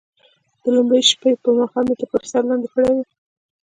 د لومړۍ شپې پر مهال مې تر بستر لاندې کړې وه.